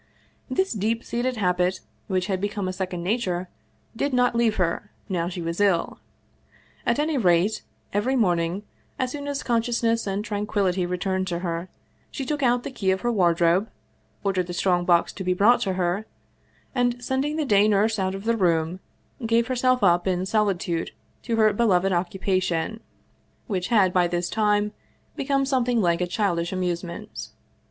This deep seated habit, which had become a second nature, did not leave her, now she was ill ; at any rate, every morning, as soon as consciousness and tranquillity returned to her, she took out the key of her wardrobe, ordered the strong box to be brought to her, and, sending the day nurse out of the room, gave herself up in solitude to her beloved occupation, which had by this time become something like a childish amusement.